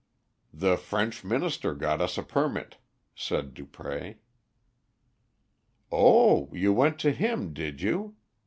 "The French Minister got us a permit," said Dupré. "Oh, you went to him, did you?